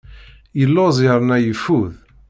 Yelluẓ yerna yeffud.